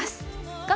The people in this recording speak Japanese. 画面